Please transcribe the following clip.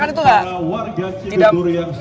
karena warga tidak